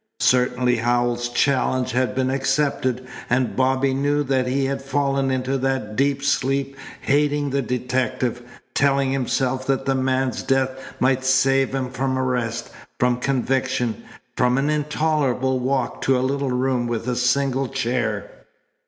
Certainly Howells's challenge had been accepted, and Bobby knew that he had fallen into that deep sleep hating the detective, telling himself that the man's death might save him from arrest, from conviction, from an intolerable walk to a little room with a single chair.